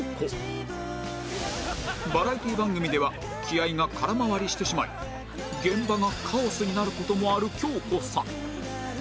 バラエティ番組では気合が空回りしてしまい現場がカオスになる事もある京子さん